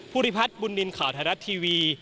ภูริพัฒน์บุญนินทร์ข่าวไทยรัฐทีวี